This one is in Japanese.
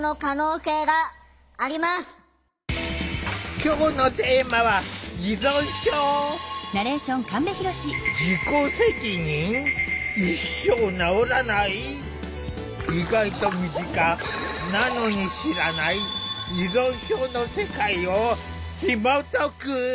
今日のテーマは意外と身近なのに知らない依存症の世界をひもとく！